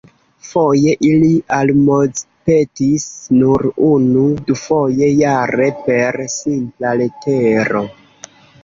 Foje ili almozpetis nur unu-dufoje jare per simpla letero.